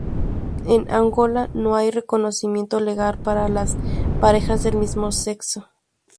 En Angola no hay reconocimiento legal para las parejas del mismo sexo.